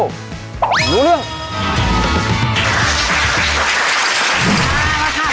รู้เรื่อง